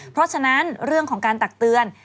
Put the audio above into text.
เพราะฉะนั้นเรื่องของการตักเตือน